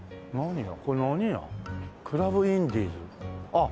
あっ